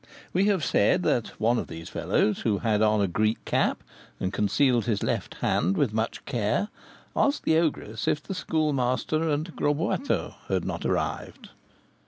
We have said that one of these fellows, who had on a Greek cap, and concealed his left hand with much care, asked the ogress if the Schoolmaster and Gros Boiteux had not arrived.